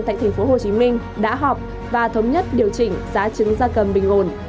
tại tp hcm đã họp và thống nhất điều chỉnh giá trứng gia cầm bình ổn